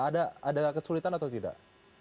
ada kesulitan atau tidak